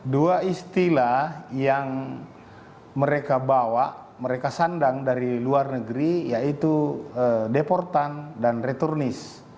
dua istilah yang mereka bawa mereka sandang dari luar negeri yaitu deportan dan returnis